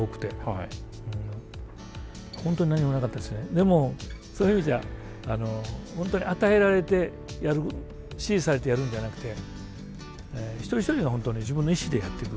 でもそういう意味じゃ本当に与えられてやる指示されてやるんじゃなくて一人一人が本当に自分の意思でやっていく。